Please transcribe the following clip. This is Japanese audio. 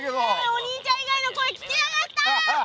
お兄ちゃんいがいの声聞きたかった！